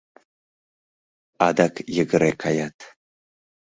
Адак йыгыре каят.